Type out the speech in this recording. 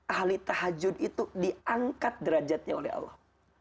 ahli tahajud itu diangkat derajatnya oleh allah